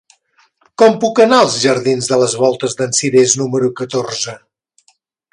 Com puc anar als jardins de les Voltes d'en Cirés número catorze?